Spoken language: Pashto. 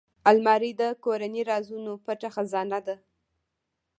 الماري د کورنۍ رازونو پټ خزانه ده